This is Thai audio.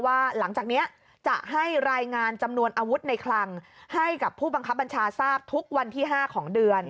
หลังจากนี้จะให้รายงานจำนวนอาวุธในคลังให้กับผู้บังคับบัญชาทราบทุกวันที่๕ของเดือน